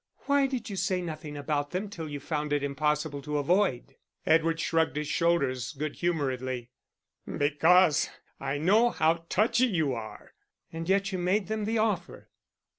"Why did you say nothing about them till you found it impossible to avoid." Edward shrugged his shoulders good humouredly. "Because I know how touchy you are." "And yet you made them the offer."